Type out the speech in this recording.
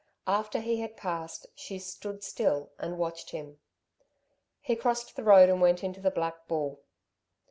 After he had passed she stood still and watched him. He crossed the road and went into the Black Bull.